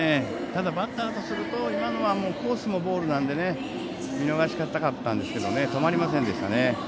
ただ、バッターとすると今のはコースもボールなので見逃したかったんですけど止まりませんでしたね。